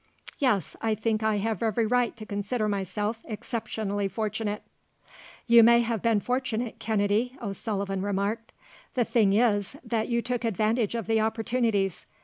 "Yes, I think I have every right to consider myself exceptionally fortunate." "You may have been fortunate, Kennedy," O'Sullivan remarked. "The thing is, that you took advantage of the opportunities.